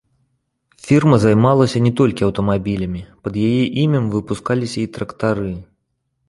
Фірма займалася не толькі аўтамабілямі, пад яе імем выпускаліся і трактары.